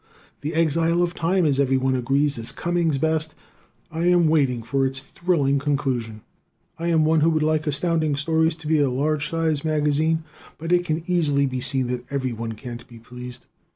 "The Exile of Time," as everyone agrees, is Cummings' best. I am waiting for its thrilling conclusion. I am one who would like Astounding Stories to be a large size magazine, but it can easily be seen that everyone can't be pleased.